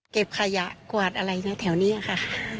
เก็บขยะกวาดอะไรนะแถวนี้ค่ะ